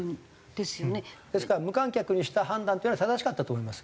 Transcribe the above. ですから無観客にした判断っていうのは正しかったと思います。